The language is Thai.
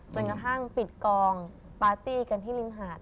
กระทั่งปิดกองปาร์ตี้กันที่ริมหาด